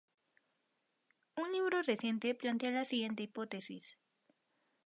Un libro reciente plantea la siguiente hipótesis.